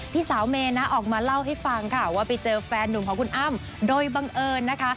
สาวเมย์นะออกมาเล่าให้ฟังค่ะว่าไปเจอแฟนหนุ่มของคุณอ้ำโดยบังเอิญนะคะ